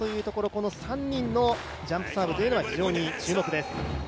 この３人のジャンプサーブは非常に注目です。